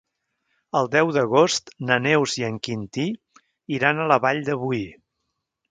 El deu d'agost na Neus i en Quintí iran a la Vall de Boí.